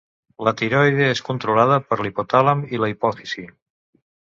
La tiroide és controlada per l'hipotàlem i la hipòfisi.